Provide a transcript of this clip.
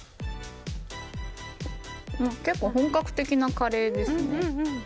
結構、本格的なカレーですね。